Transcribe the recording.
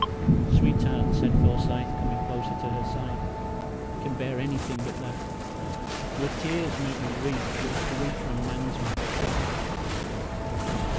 "Sweetheart," said Forsyth, coming closer to her side, "I can bear anything but that. Your tears make me weak your grief unmans me."